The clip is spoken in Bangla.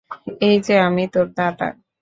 এইযে আমি, তোর দাদা।